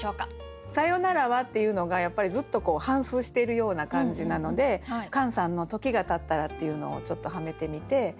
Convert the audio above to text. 「さよならは」っていうのがやっぱりずっと反すうしているような感じなのでカンさんの「時がたったら」っていうのをちょっとはめてみて。